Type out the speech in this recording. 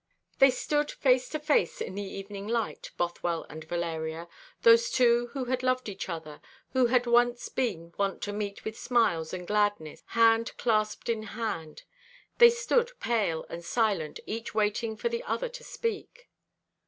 They stood face to face in the evening light, Bothwell and Valeria; those two who had loved each other, who had once been wont to meet with smiles and gladness, hand clasped in hand they stood pale and silent, each waiting for the other to speak.